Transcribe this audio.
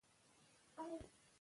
که ټوکې وي نو خندا نه ورکېږي.